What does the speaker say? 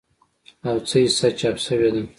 او څه حصه چاپ شوې ده